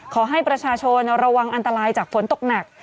ขอให้ประชาชนระวังอันตรายจากฝนตกหนัก